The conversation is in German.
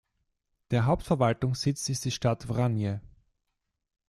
Der Hauptverwaltungssitz ist die Stadt Vranje.